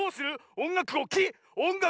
おんがくをき！